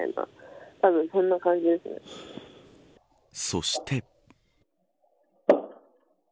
そして。